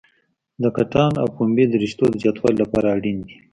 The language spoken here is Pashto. د کتان او پنبې د رشتو د زیاتوالي لپاره اړین دي.